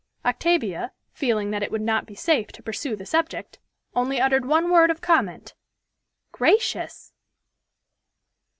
Octavia, feeling that it would not be safe to pursue the subject, only uttered one word of comment, "Gracious!"